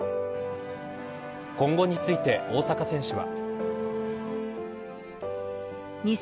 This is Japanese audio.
今後について、大坂選手は。